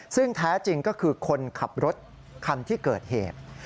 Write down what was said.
ซึ่งแท้จริงก็คือคนขับรถคันที่เกิดเหตุ